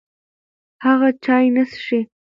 هغه چای نه څښي.